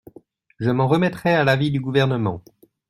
Je m’en remettrai à l’avis du Gouvernement.